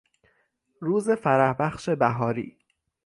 روز فرحبخش بهاری